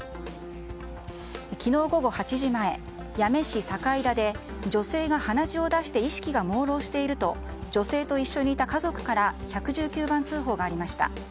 昨日午後８時前、八女市酒井田で女性が鼻血を出して意識がもうろうとしていると女性と一緒にいた家族から１１９番通報がありました。